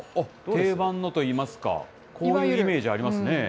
定番のといいますか、こういうイメージありますね。